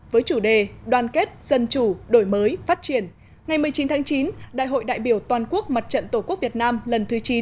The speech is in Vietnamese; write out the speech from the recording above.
với chủ đề đoàn kết dân chủ đổi mới phát triển ngày một mươi chín tháng chín đại hội đại biểu toàn quốc mặt trận tổ quốc việt nam lần thứ chín